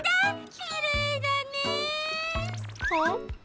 きれいだね。